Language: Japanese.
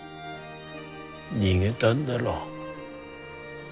逃げだんだろ。